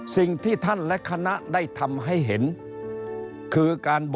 สิ่งที่ท่านและคณะได้ทำให้เห็นคือการบ่งบอกถึงความทรงจำ